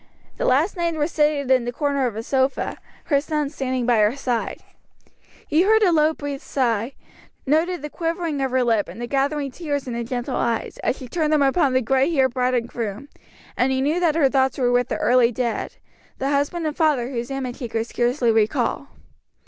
The last named was seated in the corner of a sofa, her son standing by her side. He heard a low breathed sigh, noted the quivering of her lip and the gathering tears in the gentle eyes, as she turned them upon the gray haired bride and groom, and he knew that her thoughts were with the early dead, the husband and father whose image he could scarcely recall.